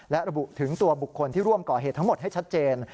และระบุถึงตัวบุคคลที่ร่วมก่อเหตุทั้งหมดให้ชัดเจน